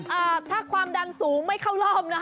อ่าถ้าความดันสูงไม่เข้ารอบนะคะ